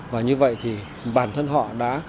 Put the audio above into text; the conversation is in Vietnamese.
và như vậy thì bản thân họ đã